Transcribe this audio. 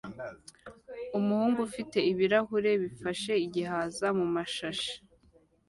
Umuhungu ufite ibirahure bifashe igihaza mumashashi